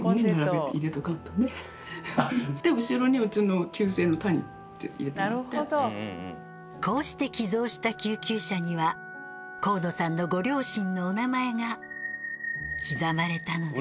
で後ろにうちのこうして寄贈した救急車には香野さんのご両親のお名前が刻まれたのです。